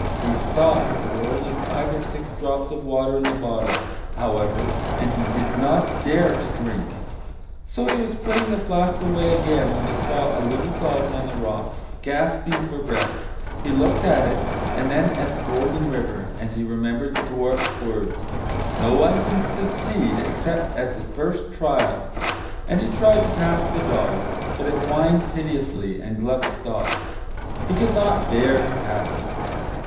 He saw that there were only five or six drops of water in the bottle, however, and he did not dare to drink. So he was putting the flask away again when he saw a little dog on the rocks, gasping for breath. He looked at it, and then at the Golden River, and he remembered the dwarf's words, "No one can succeed except at the first trial"; and he tried to pass the dog. But it whined piteously, and Gluck stopped. He could not bear to pass it.